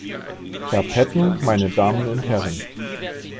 Herr Patten, meine Damen und Herren!